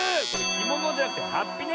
きものじゃなくてはっぴね。